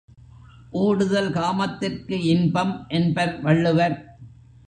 ஊடுதல் காமத்திற்கு இன்பம் என்பர் வள்ளுவர்.